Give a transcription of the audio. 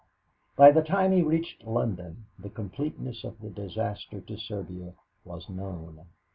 By the time he reached London, the completeness of the disaster to Serbia was known.